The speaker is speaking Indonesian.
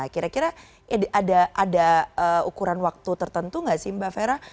kira kira ada ukuran waktu tertentu nggak sih mbak fera